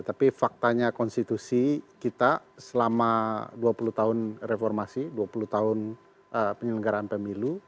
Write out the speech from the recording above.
tapi faktanya konstitusi kita selama dua puluh tahun reformasi dua puluh tahun penyelenggaraan pemilu